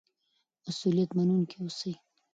مسؤلیت منونکي اوسئ.